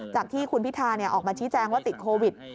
จากที่คุณพิธาออกมาชี้แจงว่าติดโควิด